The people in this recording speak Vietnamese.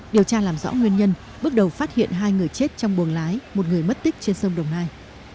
điều tra làm rõ nguyên nhân bước đầu phát hiện hai người chết trong buồng lái một người mất tích trên sông đồng nai